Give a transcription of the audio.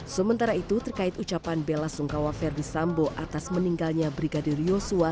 sementara itu terkait ucapan bella sungkawa ferdisambo atas meninggalnya brigadir yosua